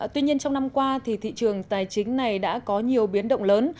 tuy nhiên trong năm qua thị trường tài chính này đã có nhiều biến động lớn